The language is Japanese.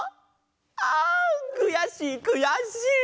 あんくやしいくやしい！